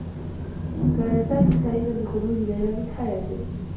كان سامي سعيدا بخروج ليلى من حياته.